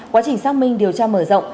quá trình xác minh điều tra mở rộng